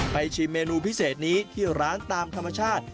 ชิมเมนูพิเศษนี้ที่ร้านตามธรรมชาติ